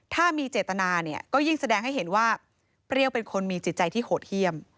ถ้ามีเจตนาเนี่ยก็ยิ่งแสดงให้เห็นว่าเปรี้ยวเป็นคนมีจิตใจที่โหดเยี่ยม